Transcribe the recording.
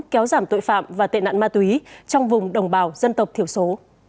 kéo giảm tội phạm và tệ nạn ma túy trong vùng đồng bào dân tộc thiểu số